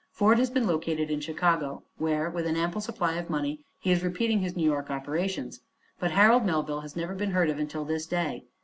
Ford has been located in Chicago, where, with an ample supply of money, he is repeating his New York operations; but Harold Melville has never been heard of until this day.